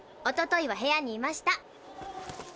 おとといは部屋にいました。